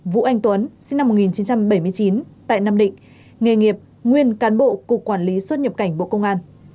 vũ anh tuấn sinh năm một nghìn chín trăm bảy mươi chín tại nam định nghề nghiệp nguyên cán bộ cục quản lý xuất nhập cảnh bộ công an